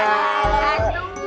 aduh aduh aduh